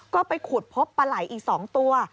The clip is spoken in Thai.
ก็ไปขุดพบปลาไหล่อีก๒ตัว